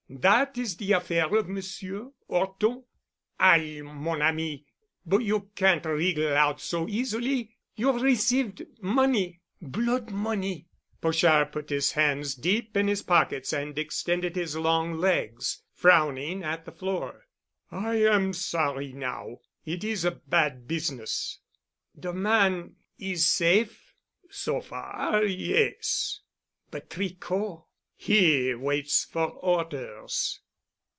That is the affair of Monsieur 'Orton." "All, mon ami, but you can't wriggle out so easily. You've received money—blood money——" Pochard put his hands deep in his pockets and extended his long legs, frowning at the floor. "I am sorry now. It is a bad business——" "The man is safe?" "So far, yes——" "But Tricot?" "He waits for orders."